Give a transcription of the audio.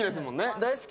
大好き！